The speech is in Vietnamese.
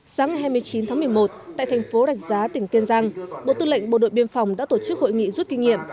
sáng ngày hai mươi chín tháng một mươi một tại thành phố rạch giá tỉnh kiên giang bộ tư lệnh bộ đội biên phòng đã tổ chức hội nghị rút kinh nghiệm